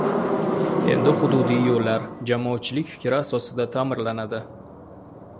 Endi hududiy ichki yo‘llar jamoatchilik fikri asosida ta’mirlanadi